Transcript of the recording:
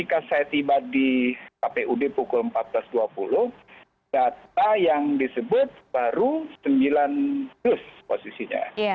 karena itu ketika saya tiba di kpub pukul empat belas dua puluh data yang disebut baru sembilan dus posisinya